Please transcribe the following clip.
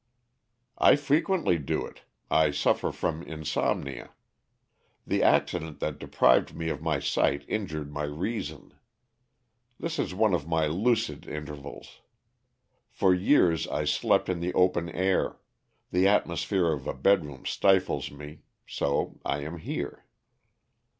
"I frequently do it. I suffer from insomnia. The accident that deprived me of my sight injured my reason. This is one of my lucid intervals. For years I slept in the open air; the atmosphere of a bedroom stifles me. So I am here."